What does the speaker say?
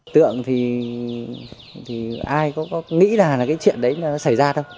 tượng thì ai có nghĩ là cái chuyện đấy nó xảy ra thôi